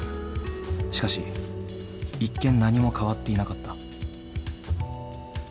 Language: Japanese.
しかし一見何も変わっていなかった。